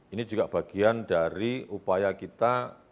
ini juga bagian dari upaya kita